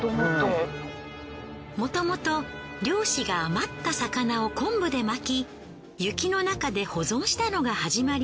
もともと漁師が余った魚を昆布で巻き雪の中で保存したのがはじまり。